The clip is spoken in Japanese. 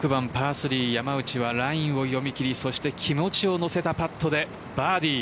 ３山内はラインを読み切り気持ちを乗せたパットでバーディー。